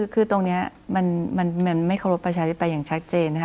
คือตรงนี้มันไม่เคารพประชาธิปไตยอย่างชัดเจนนะคะ